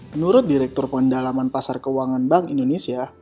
menurut direktur pendalaman pasar keuangan bank indonesia